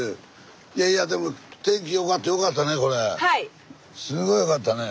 いやいやでもすごいよかったね。